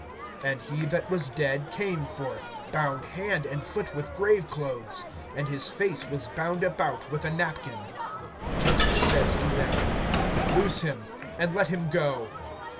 (44)And he that was dead came forth, bound hand and foot with grave clothes; and his face was bound about with a napkin. Jesus says to them: Loose him, and let him go.